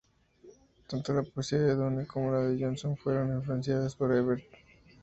Tanto la poesía de Donne como la de Jonson fueron influenciadas por Herbert.